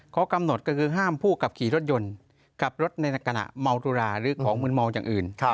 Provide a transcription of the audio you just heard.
เขากำหนดก็คือห้ามผู้ขับขี่รถยนต์ขับรถในขณะเมาสุราหรือของมืนเมาอย่างอื่น